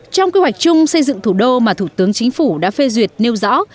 trong quy hoạch chung xây dựng thủ đô mà thủ tướng chính phủ đã phê duyệt nêu rõ